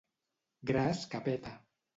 Gras que peta.